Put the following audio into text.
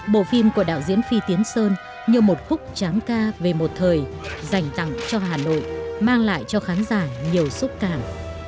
bộ phim của đạo diễn phi tiến sơn như một khúc tráng ca về một thời dành tặng cho hà nội mang lại cho khán giả nhiều xúc cảm